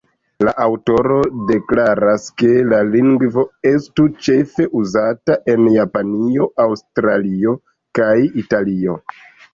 La aŭtoro deklaras ke la lingvo estu ĉefe uzata en Japanio, Aŭstralio kaj Italio.